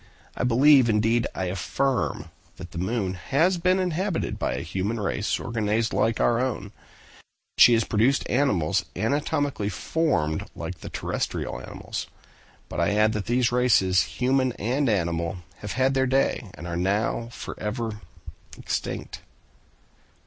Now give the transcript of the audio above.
I believe, indeed I affirm, that the moon has been inhabited by a human race organized like our own; that she has produced animals anatomically formed like the terrestrial animals: but I add that these races, human and animal, have had their day, and are now forever extinct!"